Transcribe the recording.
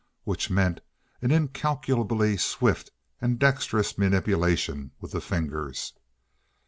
Which meant an incalculably swift and dexterous manipulation with the fingers.